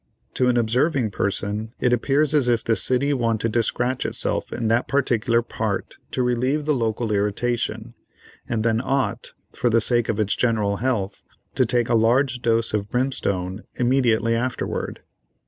To an observing person it appears as if the city wanted to scratch itself in that particular part to relieve the local irritation, and then ought, for the sake of its general health, to take a large dose of brimstone immediately afterward.